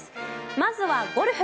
まずはゴルフ。